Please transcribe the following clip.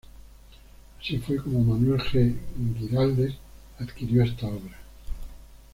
Así fue como Manuel G. Güiraldes adquirió esta obra.